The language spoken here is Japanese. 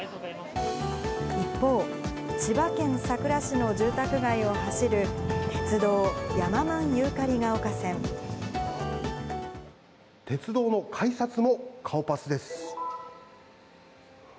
一方、千葉県佐倉市の住宅街を走る鉄道、鉄道の改札も顔パスです。